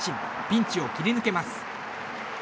ピンチを切り抜けます。